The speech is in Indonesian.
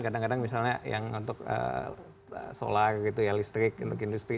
kadang kadang misalnya yang untuk solar gitu ya listrik untuk industri